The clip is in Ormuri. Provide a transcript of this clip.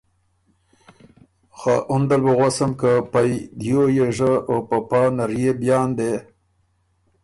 خه اُن دل بُو غؤسم که پئ دیو يېژه او په پا نرئے بیان دې